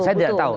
saya tidak tahu